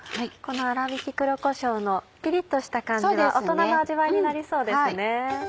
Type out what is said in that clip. この粗びき黒こしょうのピリっとした感じは大人の味わいになりそうですね。